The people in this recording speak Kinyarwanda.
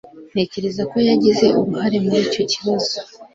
Ntekereza ko yagize uruhare muri icyo kibazo